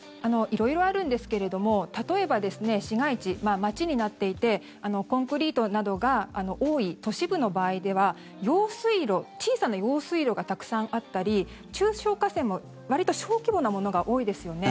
色々あるんですけれども例えば市街地、街になっていてコンクリートなどが多い都市部の場合では用水路、小さな用水路がたくさんあったり中小河川もわりと小規模なものが多いですよね。